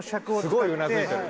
すごいうなずいてる。